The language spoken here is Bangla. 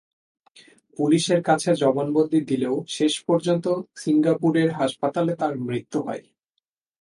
পুলিশের কাছে জবানবন্দি দিলেও শেষ পর্যন্ত সিঙ্গাপুরের হাসপাতালে তাঁর মৃত্যু হয়।